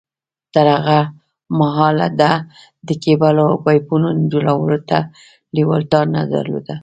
تر هغه مهاله ده د کېبلو او پايپونو جوړولو ته لېوالتيا نه درلوده.